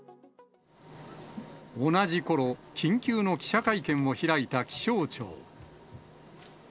同じころ、緊急の記者会見を開いた気象庁。